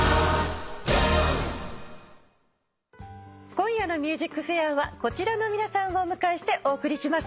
今夜の『ＭＵＳＩＣＦＡＩＲ』はこちらの皆さんをお迎えしてお送りします。